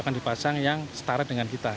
akan dipasang yang setara dengan kita